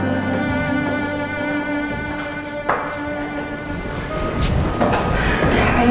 ya mbak mau ke tempat ini